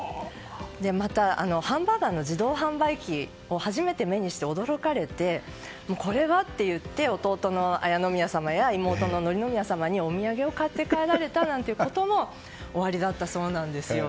またハンバーガーの自動販売機を初めて目にして驚かれてこれは！と言って弟の礼宮様や妹の紀宮さまにお土産を買って帰られたこともおありだったそうなんですよ。